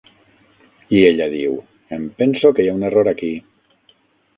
I ella diu: "Em penso que hi ha un error aquí".